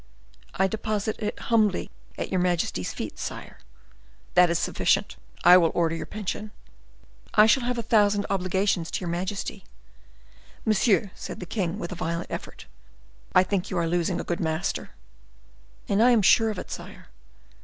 "I deposit it humbly at your majesty's feet, sire." "That is sufficient. I will order your pension." "I shall have a thousand obligations to your majesty." "Monsieur," said the king, with a violent effort, "I think you are losing a good master." "And I am sure of it, sire."